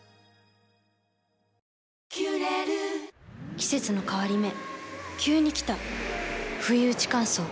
季節の変わり目急に来たふいうち乾燥。